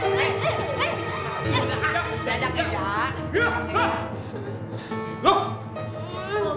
loh banget pak